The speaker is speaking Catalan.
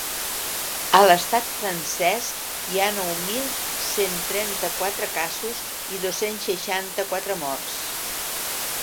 A l’estat francès hi ha nou mil cent trenta-quatre casos i dos-cents seixanta-quatre morts.